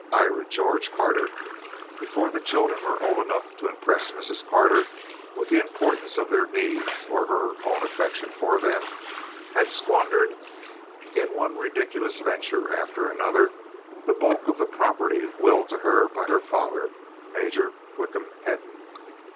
Ira George Carter, before the children were old enough to impress Mrs. Carter with the importance of their needs or her own affection for them, had squandered, in one ridiculous venture after another, the bulk of the property willed to her by her father, Major Wickham Hedden.